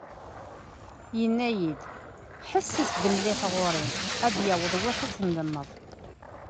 Yenna-iyi-d: « Ḥesses-d mliḥ ɣur-i, ad d-yaweḍ wass ad tendemmeḍ."